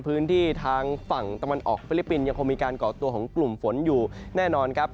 พื้นที่ทางฝั่งตะวันออกฟิลิปปินส์ยังคงมีการก่อตัวของกลุ่มฝนอยู่แน่นอนครับ